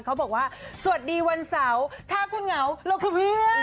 เขาบอกว่าสวัสดีวันเสาร์ถ้าคุณเหงาเราคือเพื่อน